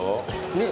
ねえ？